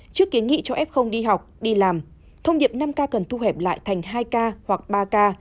trước kiến nghị cho f đi học đi làm thông điệp năm k cần thu hẹp lại thành hai k hoặc ba k